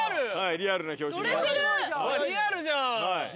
リアルじゃん！